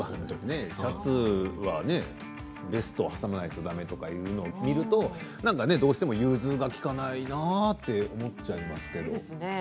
シャツはベストを挟まなきゃだめというの見ると融通が効かないなって思っちゃいますけど。